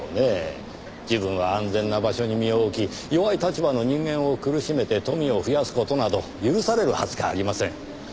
自分は安全な場所に身を置き弱い立場の人間を苦しめて富を増やす事など許されるはずがありません。